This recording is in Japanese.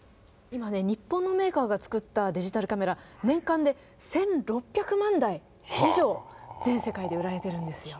今ね日本のメーカーが作ったデジタルカメラ年間で１，６００万台以上全世界で売られてるんですよ。